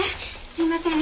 すいません。